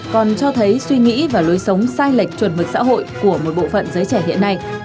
còn cho thấy suy nghĩ và lối sống sai lệch chuẩn mực xã hội của một bộ phận giới trẻ hiện nay